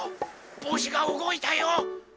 ぼうしがうごいたよ！